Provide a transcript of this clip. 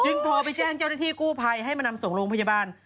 โทรไปแจ้งเจ้าหน้าที่กู้ภัยให้มานำส่งโรงพยาบาล